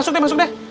udah masuk deh